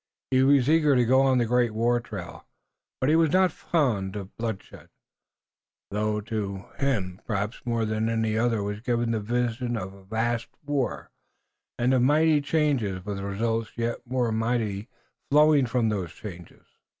He was eager to go on the great war trail, but he was not fond of bloodshed, though to him more perhaps than to any other was given the vision of a vast war, and of mighty changes with results yet more mighty flowing from those changes.